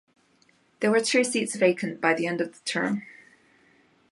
There were two seats vacant by the end of the term.